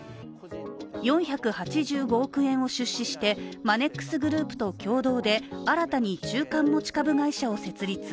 ４８５億円を出資してマネックスグループと共同で新たに中間持ち株会社を設立。